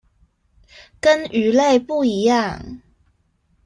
跟魚類不一樣